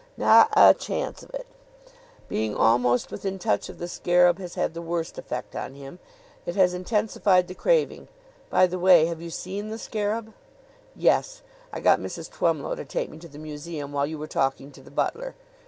"Not a chance of it. Being almost within touch of the scarab has had the worst effect on him. It has intensified the craving. By the way, have you seen the scarab?" "Yes; I got Mrs. Twemlow to take me to the museum while you were talking to the butler.